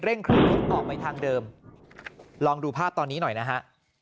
เร่งเครื่องรถออกไปทางเดิมลองดูภาพตอนนี้หน่อยนะฮะ